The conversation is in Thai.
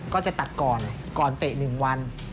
ก็จะตัดก่อนก่อนเตะ๑วัน